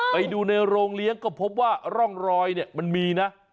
ไปดูในโรงเลี้ยงก็พบว่าร่องรอยเนี่ยมันมีนะ